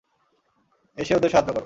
এসে ওদের সাহায্য করো।